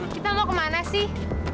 kita mau kemana sih